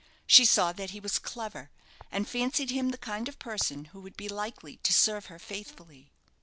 She saw that he was clever; and fancied him the kind of person who would be likely to serve her faithfully.